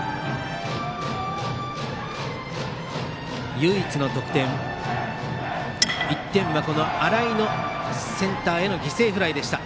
唯一の得点、１点は新井のセンターへの犠牲フライ。